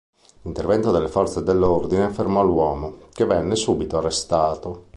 L'intervento delle forze dell'ordine fermò l'uomo che venne subito arrestato.